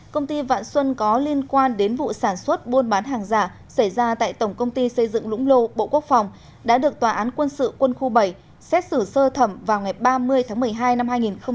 công ty vạn xuân có liên quan đến vụ sản xuất buôn bán hàng giả xảy ra tại tổng công ty xây dựng lũng lô bộ quốc phòng đã được tòa án quân sự quân khu bảy xét xử sơ thẩm vào ngày ba mươi tháng một mươi hai năm hai nghìn một mươi tám